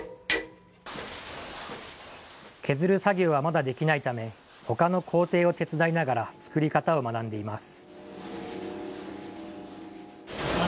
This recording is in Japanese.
削る作業はまだできないため、ほかの工程を手伝いながら、作り方を学んでいます。